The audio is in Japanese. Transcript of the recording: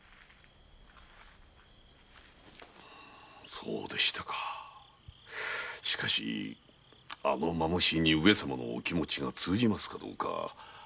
そうでしたかしかしあの蝮に上様のお気持が通じますかどうか。